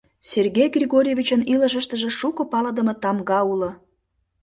Сергей Григорьевичын илышыштыже шуко палыдыме тамга уло.